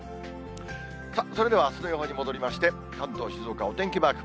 さあ、それではあすの予報に戻りまして、関東、静岡、お天気マーク。